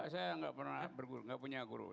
saya enggak pernah berguru enggak punya guru